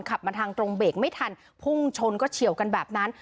ขับมาทางตรงเบรกไม่ทันพุ่งชนก็เฉียวกันแบบนั้น